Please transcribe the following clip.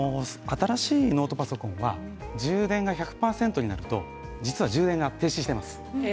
新しいノートパソコンは充電が１００％になると実は充電が停止しています。